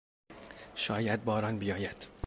شاید باران بیاید.